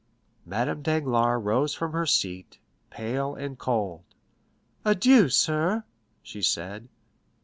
Madame Danglars rose from her seat, pale and cold. "Adieu, sir," she said.